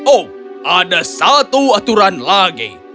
oh ada satu aturan lagi